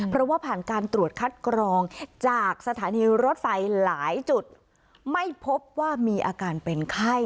เพราะว่าผ่านการตรวจคัดกรองจากสถานีรถไฟหลายจุดไม่พบว่ามีอาการเป็นไข้